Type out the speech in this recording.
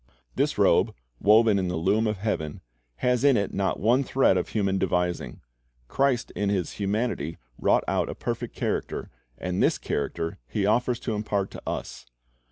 "^ This robe, woven in the loom of heaven, has in it not one thread of human devising. Christ in His humanity wrought out a perfect character, and this character He offers to impart to us.